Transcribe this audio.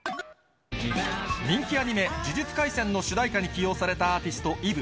人気アニメ、呪術廻戦の主題歌に起用されたアーティスト、Ｅｖｅ。